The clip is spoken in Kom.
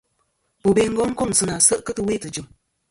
Bobe Ngong kôŋ sɨ nà se' kɨ tɨwe tɨjɨ̀m.